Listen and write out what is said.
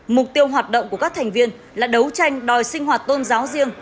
mục tiêu hoạt động của các thành viên là đấu tranh đòi sinh hoạt tôn giáo riêng